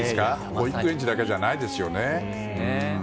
保育園児だけじゃないですよね。